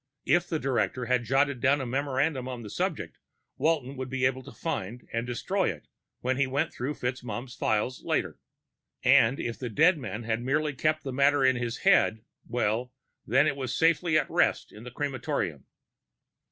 If the director had jotted down a memorandum on the subject, Walton would be able to find and destroy it when he went through FitzMaugham's files later. And if the dead man had merely kept the matter in his head, well, then it was safely at rest in the crematorium.